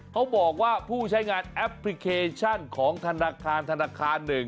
เขาบอกว่าผู้ใช้งานแอปพลิเคชันของธนาคารธนาคาร๑